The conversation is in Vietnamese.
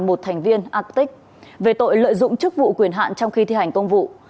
một thành viên acic về tội lợi dụng chức vụ quyền hạn trong khi thi hành công vụ